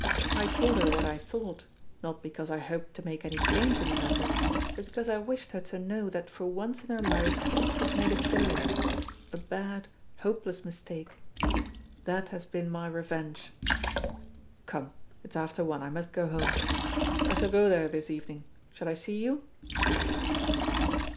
I told her what I thought, not because I hoped to make any change in the matter, but because I wished her to know that for once in her life she has made a failure a bad, hopeless mistake. That has been my revenge. Come, it's after one, I must go home. I shall go there this evening; shall I see you?"